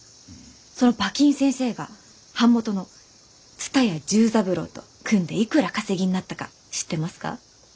その馬琴先生が版元の蔦屋重三郎と組んでいくらお稼ぎになったか知ってますか？